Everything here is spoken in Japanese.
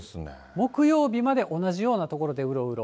木曜日まで同じような所でうろうろ。